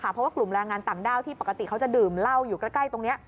เพราะว่ากลุ่มแรงงานต่างด้าวที่ปกติเขาจะดื่มเหล้าอยู่ใกล้ตรงนี้